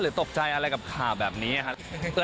หรือตกใจอะไรกับข่าวแบบนี้ค่ะ